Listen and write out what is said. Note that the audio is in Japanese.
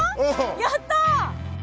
やったー！